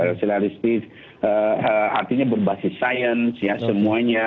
sosialistis artinya berbasis sains ya semuanya